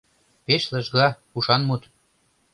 Пеш лыжга, ушан мут